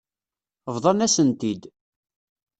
Bḍan-asen-t-id.